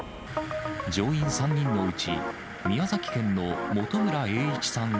乗員３人のうち、宮崎県の本村榮一さん